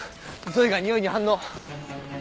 ゾイがにおいに反応！